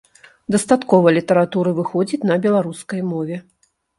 Дастаткова літаратуры выходзіць на беларускай мове.